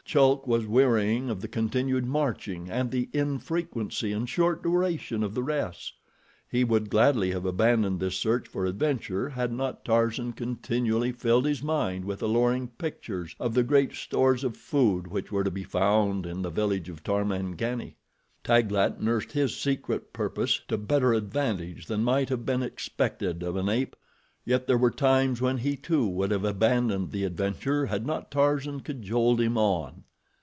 Chulk was wearying of the continued marching and the infrequency and short duration of the rests. He would gladly have abandoned this search for adventure had not Tarzan continually filled his mind with alluring pictures of the great stores of food which were to be found in the village of Tarmangani. Taglat nursed his secret purpose to better advantage than might have been expected of an ape, yet there were times when he, too, would have abandoned the adventure had not Tarzan cajoled him on.